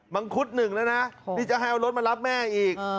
ังคุดหนึ่งแล้วนะนี่จะให้เอารถมารับแม่อีก